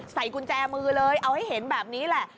ใส่กุญแจมือเลยเอาให้เห็นแบบนี้แหละ